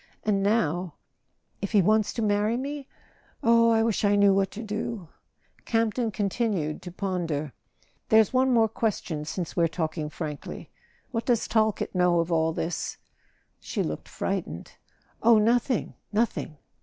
And now—if he wants to marry me? Oh, I wish I knew what to do! " Campton continued to ponder. "There's one more question, since we're talking frankly: what does Talkett know of all this?" She looked frightened. "Oh, nothing, nothing!"